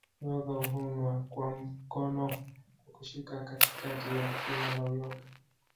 Uyoga huvunwa kwa mkono kwa kushika katikati ya shina la uyoga